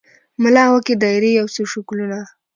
ملا وکښې دایرې یو څو شکلونه